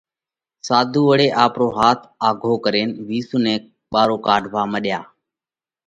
ساڌُو وۯي آپرو هاٿ آگھو ڪرينَ وِيسُو نئہ ٻارو ڪاڍوا مڏيا۔